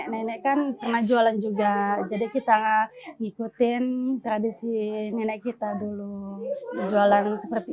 nenek kan pernah jualan juga jadi kita ngikutin tradisi nenek kita dulu jualan seperti